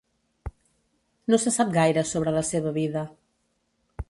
No se sap gaire sobre la seva vida.